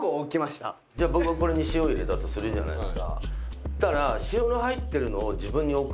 僕がこれに塩を入れたとするじゃないですか。